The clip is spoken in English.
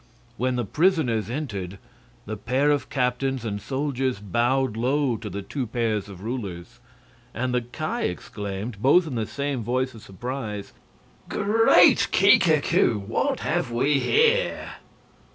When the prisoners entered, the pairs of captains and soldiers bowed low to the two pairs of rulers, and the Ki exclaimed both in the same voice of surprise: "Great Kika koo! what have we here?"